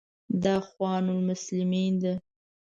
دا اخوان المسلمین ده.